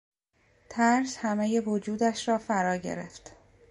ترس همهی وجودش را فرا گرفت.